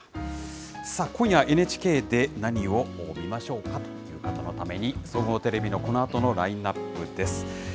さあ、今夜、ＮＨＫで何を見ましょうかという方のために、総合テレビのこのあとのラインナップです。